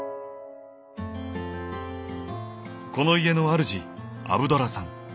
この家のあるじアブドラさん。